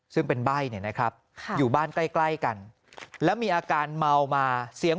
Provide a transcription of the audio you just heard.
ซึ่งเป็นใบ้เนี่ยนะครับอยู่บ้านใกล้กันแล้วมีอาการเมามาเสียง